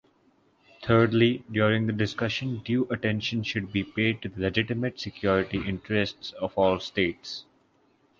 Thirdly, during the discussion due attention should be paid to the legitimate security interests of all states.